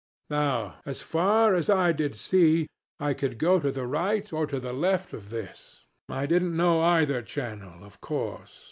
Now, as far as I did see, I could go to the right or to the left of this. I didn't know either channel, of course.